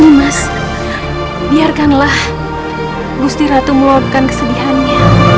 nimas biarkanlah busti ratu mewabakan kesedihannya